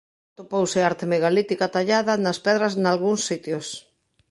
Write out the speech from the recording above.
Atopouse arte megalítica tallada nas pedras nalgúns sitios.